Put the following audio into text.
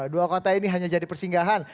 dua kota ini hanya jadi persinggahan